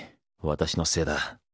私のせいだ。